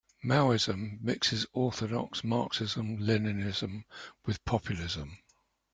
Maoism mixes orthodox Marxism-Leninism with populism.